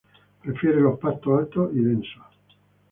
Prefiere los pastos altos y densos.